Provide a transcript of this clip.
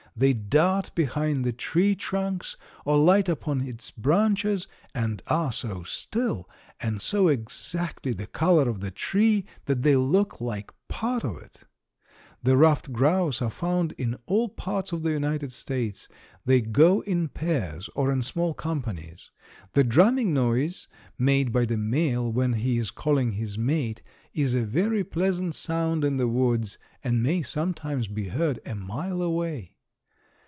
They dart behind the tree trunks or light upon its branches, and are so still and so exactly the color of the tree that they look like part of it. "The ruffed grouse are found in all parts of the United States. They go in pairs or in small companies. The drumming noise made by the male when he is calling his mate is a very pleasant sound in the woods and may sometimes be heard a mile away.